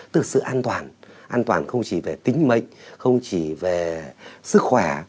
thực sự an toàn an toàn không chỉ về tính mệnh không chỉ về sức khỏe